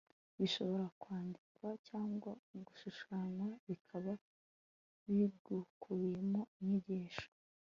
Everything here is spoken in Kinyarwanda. bishobora kwandikwa cyangwa gushushanywa bikaba bikubiyamo inyigisho